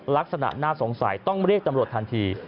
ลักษณะน่าสงสัยต้องเรียกตำรวจทันที